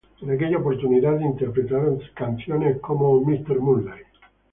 En aquella oportunidad interpretaron canciones como "Mr.